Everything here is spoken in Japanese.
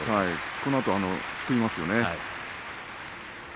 このあとすくいますね。